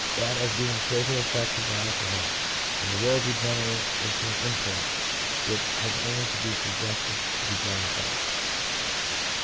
that of being further affected by alcohol, and the will degenerates into an impulse which has only to be suggested to be gratified.